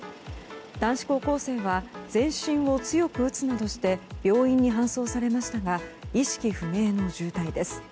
男子高校生は全身を強く打つなどして病院に搬送されましたが意識不明の重体です。